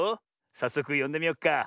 さっそくよんでみよっか。